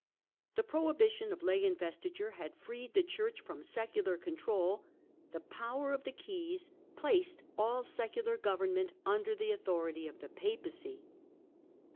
The prohibition of lay investiture had freed the Church from secular control, the power of the Keys placed all secular government under the authority of the Papacy.